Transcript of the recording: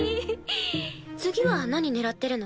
次は何狙ってるの？